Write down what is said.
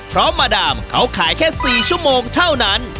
เพราะมาดามเขาขายแค่๔ชั่วโมงเท่านั้น